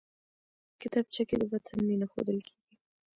کتابچه کې د وطن مینه ښودل کېږي